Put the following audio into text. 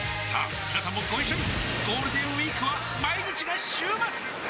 みなさんもご一緒にゴールデンウィークは毎日が週末！